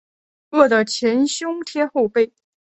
饿得前胸贴后背